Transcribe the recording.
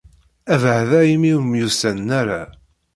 Abeɛda imi ur myussanen ara.